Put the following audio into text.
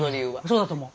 そうだと思う。